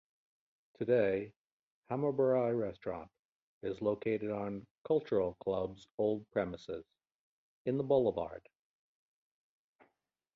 Today, "Hammurabi Restaurant" is located on "Cultural Club's" old premises in The Boulevarde.